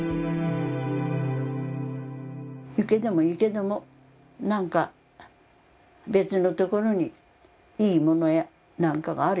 行けども行けども何か別のところにいいものや何かがある。